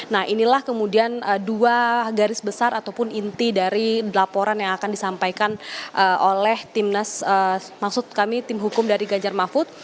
nah inilah kemudian dua garis besar ataupun inti dari laporan yang akan disampaikan oleh timnas maksud kami tim hukum dari ganjar mahfud